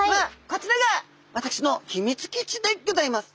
こちらが私のヒミツ基地でギョざいます。